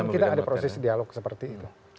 kita ada proses dialog seperti itu